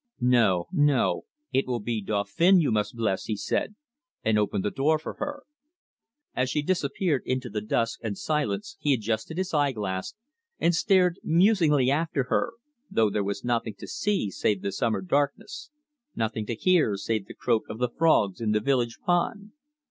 "No, no; it will be Dauphin you must bless," he said, and opened the door for her. As she disappeared into the dusk and silence he adjusted his eye glass, and stared musingly after her, though there was nothing to see save the summer darkness, nothing to hear save the croak of the frogs in the village pond.